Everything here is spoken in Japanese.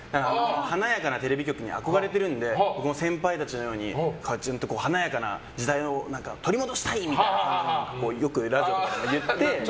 華やかなテレビ局に憧れているので僕も先輩たちのように華やかな時代を取り戻したい！みたいによくラジオとかで言って。